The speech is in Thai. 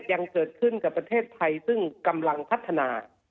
ยังเกิดขึ้นกับประเทศไทยซึ่งกำลังพัฒนา